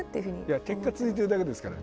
いや結果続いてるだけですから。